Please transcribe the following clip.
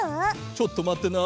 ちょっとまってな。